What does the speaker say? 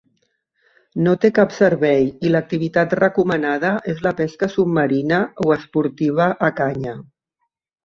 No té cap servei i l'activitat recomanada és la pesca submarina o esportiva a canya.